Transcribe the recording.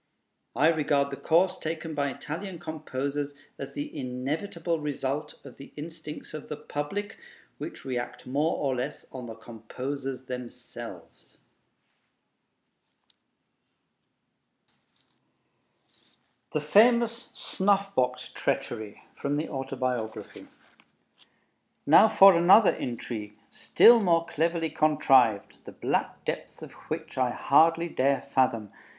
I regard the course taken by Italian composers as the inevitable result of the instincts of the public, which react more or less on the composers themselves. THE FAMOUS "SNUFF BOX TREACHERY" From the Autobiography Now for another intrigue, still more cleverly contrived, the black depths of which I hardly dare fathom.